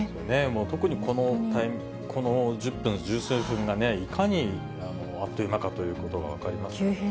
もう特にこの１０分、十数分が、いかにあっという間だということが分かりますよね。